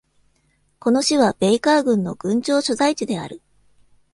この市は、ベイカー郡の郡庁所在地である。